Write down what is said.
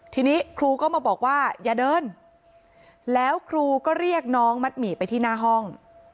ทีนี้ครูก็มาบอกว่าอย่าเดินแล้วครูก็เรียกน้องมัดหมี่ไปที่หน้าห้อง